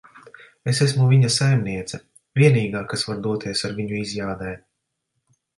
Es esmu viņa saimniece. Vienīgā, kas var doties ar viņu izjādē.